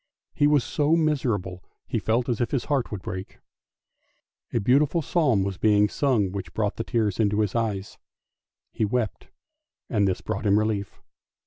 He was so miserable, he felt as if his heart would break. A beautiful psalm was being sung which brought the tears into his eyes, he wept, and this brought him relief.